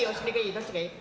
どっちがいい？